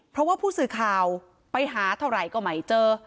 เพราะว่าผู้สื่อข่าวไปหาเท่าไหร่ก็ไม่เจอ